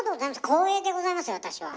光栄でございますよ私は。